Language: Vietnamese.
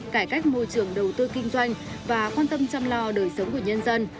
cải cách môi trường đầu tư kinh doanh và quan tâm chăm lo đời sống của nhân dân